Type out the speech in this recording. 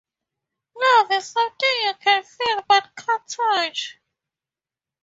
Love is something you can feel but can't touch.